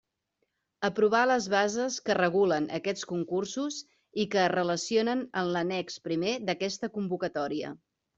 Aprovar les bases que regulen aquests concursos i que es relacionen en l'annex primer d'aquesta convocatòria.